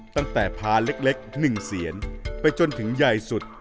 ตั้งแต่พาเล็ก๑เซียนไปจนถึงใหญ่สุด